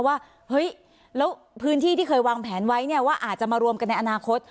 ว่าเฮ้ยแล้วพื้นที่ที่เคยวางแผนไว้เนี่ยว่าอาจจะมารวมกันในอนาคต